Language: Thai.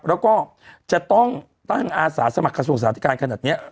แล้วก็จะต้องตั้งอาสาสมัครกระทรวงสาธิการขนาดนี้